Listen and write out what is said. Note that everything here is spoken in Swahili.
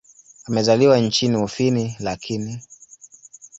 Amezaliwa nchini Ufini lakini.